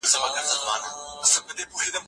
د مقالي لیکل په بشپړ ډول د شاګرد کار دی.